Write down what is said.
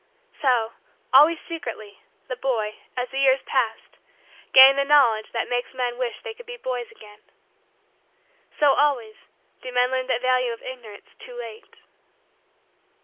So, always, secretly, the boy, as the years passed, gained the knowledge that makes men wish that they could be boys again. So, always, do men learn the value of Ignorance too late.